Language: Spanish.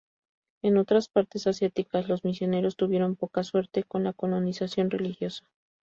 En otras partes asiáticas los misioneros tuvieron poca suerte con la colonización religiosa.